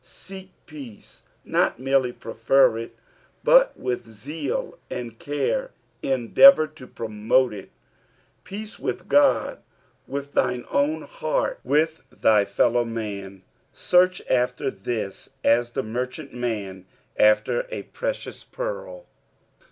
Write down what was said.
" Seek peaee." Not merely prefer it, but with zeal and care endeavour to promote it. Peace with God. with thine own heart, with thy fellow man, search after this fas the merchantman after a precious pearl.